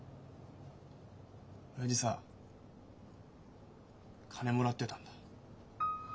親父さ金もらってたんだ。